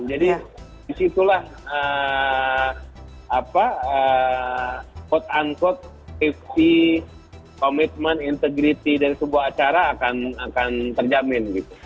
jadi disitulah quote unquote lima puluh commitment integrity dari sebuah acara akan terjamin gitu